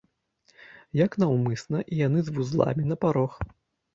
Як наўмысна, і яны з вузламі на парог.